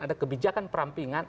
ada kebijakan perampingan